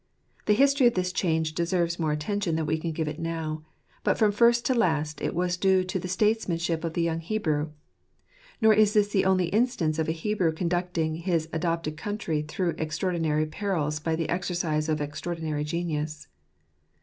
The history of this change deserves more atten tion than we can give it now ; but from first to last it was due to the statesmanship of the young Hebrew. Nor is this the only instance of a Hebrew conducting his adopted country through extraordinary perils by the exercise of extraordinary genius.